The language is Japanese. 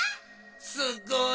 すっごい！